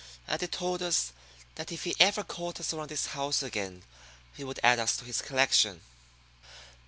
And he told us that if he ever caught us around his house again he would add us to his collection.